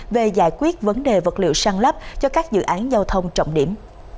về giải quyết vấn đề vật liệu săn lấp cho các dự án giao thông trọng điểm